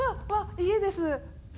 家ですね。